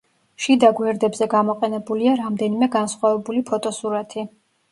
შიდა გვერდებზე გამოყენებულია რამდენიმე განსხვავებული ფოტოსურათი.